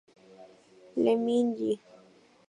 Lee Min-ji